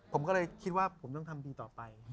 ผมก็เลยคิดว่าผมต้องทำดีต่อไป